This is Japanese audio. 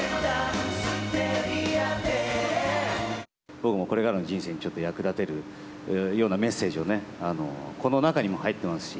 僕もこれからの人生にちょっと役立てるようなメッセージをね、この中にも入ってますし。